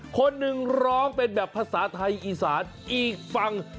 คนหนึ่งร้องเป็นแบบภาษาไทยอีสานอีกฝั่ง